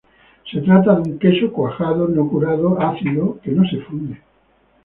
Se trata de un queso cuajado, no curado, ácido, que no se funde.